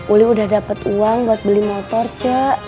uli udah dapet uang buat beli motor c